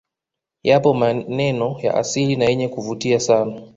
Yapo maneno ya asili na yenye kuvutia sana